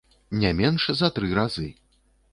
Не менш за тры разы.